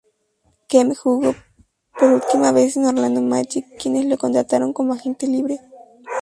Kemp jugó por última vez en Orlando Magic, quienes lo contrataron como agente libre.